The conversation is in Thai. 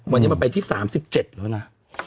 วันนี้มันไปที่๓๗แล้วนะ